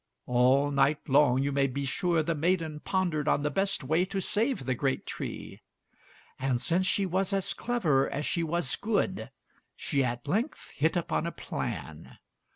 All night long, you may be sure, the maiden pondered on the best way to save the great tree; and since she was as clever as she was good, she at length hit upon a plan.